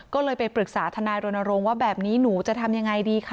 ก็เลยไปปรึกษาทนายรณรงค์ว่าแบบนี้หนูจะทำยังไงดีคะ